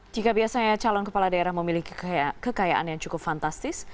jika biasanya calon kepala daerah memiliki kekayaan yang cukup fantastis